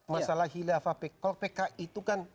masalah hilafah kalau pki itu kan